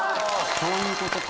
そういうことか。